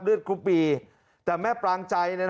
เลือดกลุ๊ปบีแต่แม่ปลางใจ